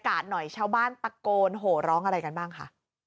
หน่อยชาวบ้านตะโกนโหร้องอะไรกันบ้างค่ะ